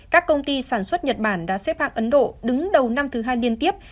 các công ty sản xuất nhật bản đã xếp hạng ấn độ đứng đầu năm thứ hai liên tiếp